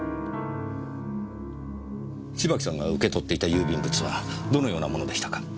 芝木さんが受け取っていた郵便物はどのようなものでしたか？